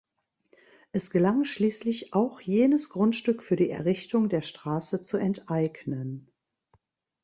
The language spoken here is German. Es gelang schließlich auch jenes Grundstück für die Errichtung der Straße zu enteignen.